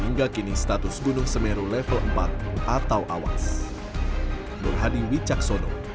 hingga kini status gunung semeru level empat atau awas